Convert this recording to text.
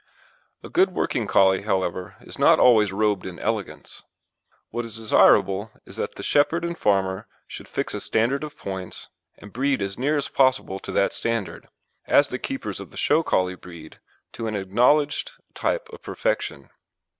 A good working Collie, however, is not always robed in elegance. What is desirable is that the shepherd and farmer should fix a standard of points, and breed as near as possible to that standard, as the keepers of the show Collie breed to an acknowledged type of perfection.